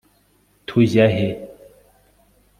tujya he